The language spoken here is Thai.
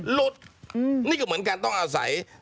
หลุดนี่ก็เหมือนกันต้องอาศัย